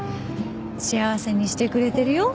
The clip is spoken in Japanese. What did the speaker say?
幸せにしてくれてるよ。